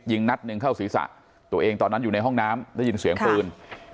นัดหนึ่งเข้าศีรษะตัวเองตอนนั้นอยู่ในห้องน้ำได้ยินเสียงปืน